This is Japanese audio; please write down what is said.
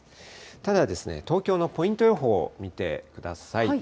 ただ、東京のポイント予報を見てください。